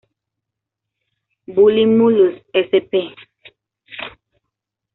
Bulimulus sp.